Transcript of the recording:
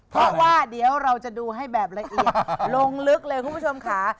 เพราะว่าเดี๋ยวเราจะดูให้แบบละเอียดลงลึกเลยคุณผู้ชมค่ะ